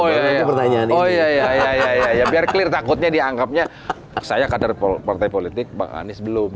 ya ya ya ya ya biar clear takutnya dianggapnya saya kader pol partai politik pak anies belum